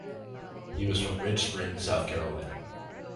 He was from Ridge Spring, South Carolina.